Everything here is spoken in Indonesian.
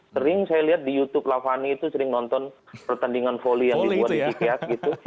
sering saya lihat di youtube lavani itu sering nonton pertandingan volley yang dibuat di tiket gitu